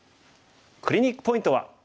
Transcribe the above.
クリニックポイントは。